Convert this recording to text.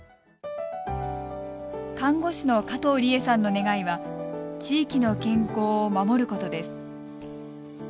看護師の加藤理恵さんの願いは地域の健康を守ることです。